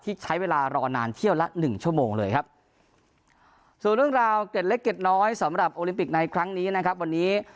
ใช้เวลารอนานเที่ยวละหนึ่งชั่วโมงเลยครับส่วนเรื่องราวเกร็ดเล็กเกร็ดน้อยสำหรับโอลิมปิกในครั้งนี้นะครับวันนี้